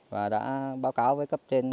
và đã báo cáo với cấp trên